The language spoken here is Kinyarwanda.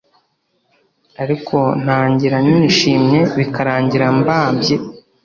Ariko ntangira nishimye bikarangira mbabye